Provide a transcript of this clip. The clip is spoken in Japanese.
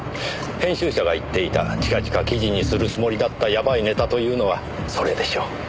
編集者が言っていた近々記事にするつもりだったやばいネタというのはそれでしょう。